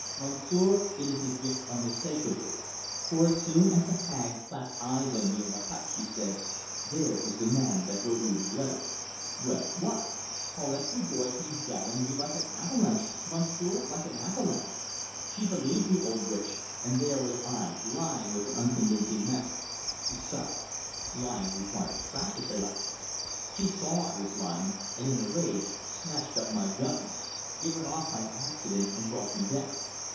Monsieur, it is a gift unmistakably. For as soon as the hag clapped eyes on me in the hut, she said: 'There is the man that wrote you the letters.' Well what! Paulette Dubois came down on me like an avalanche Monsieur, like an avalanche! She believed the old witch; and there was I lying with an unconvincing manner" he sighed "lying requires practice, alas! She saw I was lying, and in a rage snatched up my gun. It went off by accident, and brought me down.